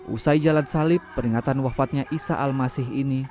usai jalan salib peringatan wafatnya isa almasih ini